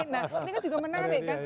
nah ini kan juga menarik kan